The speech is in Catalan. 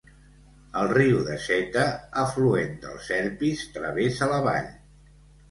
El riu de Seta, afluent del Serpis, travessa la vall.